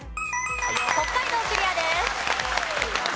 北海道クリアです。